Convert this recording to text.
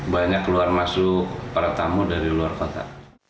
banyak keluar masuk para tamu dari luar kota